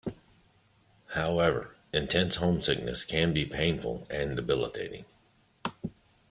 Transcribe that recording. However, intense homesickness can be painful and debilitating.